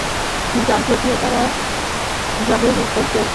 যদিও তারা যবেহ্ করতে উদ্যত ছিল না।